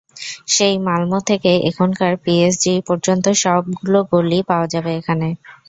সেই মালমো থেকে এখনকার পিএসজি পর্যন্ত সবগুলো গোলই পাওয়া যাবে এখানে।